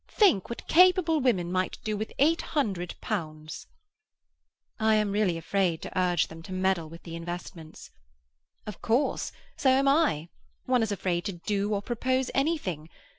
Think what capable women might do with eight hundred pounds." "I am really afraid to urge them to meddle with the investments." "Of course; so am I. One is afraid to do or propose anything.